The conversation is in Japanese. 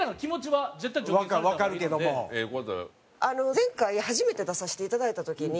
前回初めて出させていただいた時に。